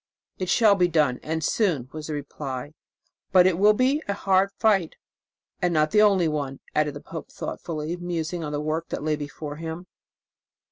"It shall be done and soon," was the reply, "but it will be a hard fight. And not the only one," added the pope thoughtfully, musing on the work that lay before him.